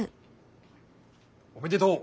おめでとう。